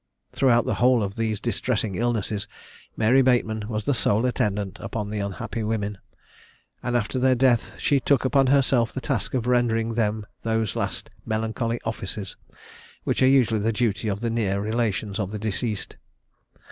Throughout the whole of these distressing illnesses Mary Bateman was the sole attendant upon the unhappy women, and after their death she took upon herself the task of rendering them those last melancholy offices, which are usually the duty of the near relations of the deceased.